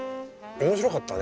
面白かったね